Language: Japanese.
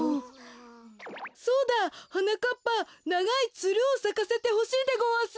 そうだはなかっぱながいつるをさかせてほしいでごわす。